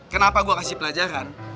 kenapa gue kasih pelajaran